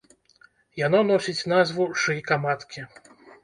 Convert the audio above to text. Яно носіць назву шыйка маткі.